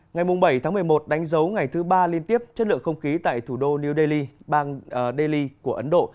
ngày bảy tháng một mươi một đánh dấu ngày thứ ba liên tiếp chất lượng không khí tại thủ đô new delhi bang delhi của ấn độ